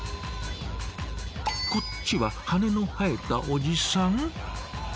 こっちは羽の生えたおじさん？